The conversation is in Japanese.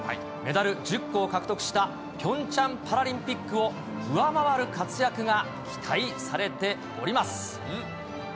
メダル１０個を獲得したピョンチャンパラリンピックを上回る活躍が期待されております。